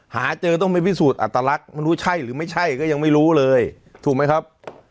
หาเจอต้องไปพิสูจน์อัตลักษณ์ไม่รู้ใช่หรือไม่ใช่ก็ยังไม่รู้เลยถูกไหมครับ